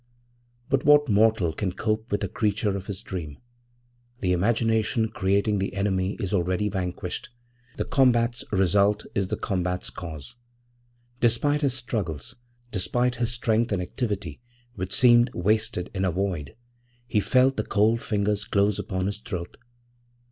< 8 > But what mortal can cope with a creature of his dream? The imagination creating the enemy is already vanquished; the combat's result is the combat's cause. Despite his struggles despite his strength and activity, which seemed wasted in a void, he felt the cold fingers close upon his throat.